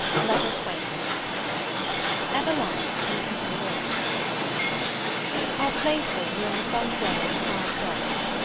LETTER XX EVELINA IN CONTINUATION OUR places were in the front row of a side box.